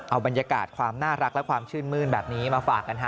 เอาบรรยากาศความน่ารักและความชื่นมื้นแบบนี้มาฝากกันฮะ